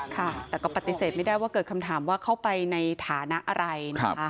ค่ะแต่ก็ปฏิเสธไม่ได้ว่าเกิดคำถามว่าเข้าไปในฐานะอะไรนะคะ